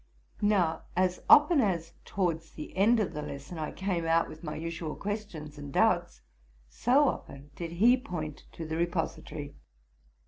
Now, as often as towards the end of the lesson I came out with my usual questions and doubts, so often did he point to the repository.